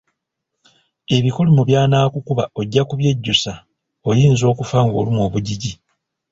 Ebikolimo byanaakukuba ojja kubyejjusa oyinza okufa ng'olumwa obugigi.